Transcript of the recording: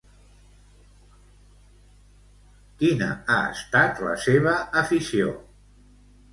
Quina ha estat la seva afició?